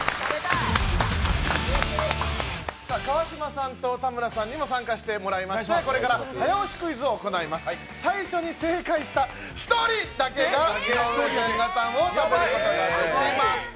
川島さんと田村さんにも参加していただいてこれから早押しクイズを行います最初に正解した１人だけいのうえジェンガタンを食べることができます。